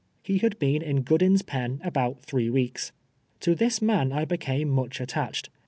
He had been in Goodin's pen about three weeks. To this man I became much attached.